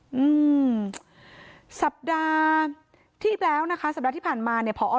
อืมสัปดาห์ที่แล้วนะคะสัปดาห์ที่ผ่านมาเนี่ยพอ